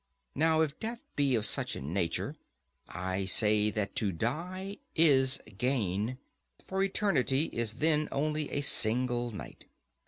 Now if death be of such a nature, I say that to die is gain; for eternity is then only a single night.